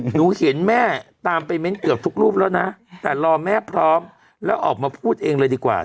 หนูเห็นแม่ตามไปเน้นเกือบทุกรูปแล้วนะแต่รอแม่พร้อมแล้วออกมาพูดเองเลยดีกว่า